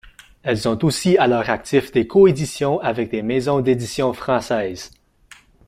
Elles ont aussi à leur actif des coéditions avec des maisons d'édition françaises.